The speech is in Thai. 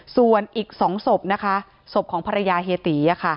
ส่วนอีก๒ศพนะคะศพของภรรยาเฮียตี